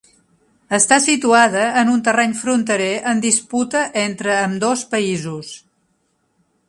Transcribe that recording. Està situada en un terreny fronterer en disputa entre ambdós països.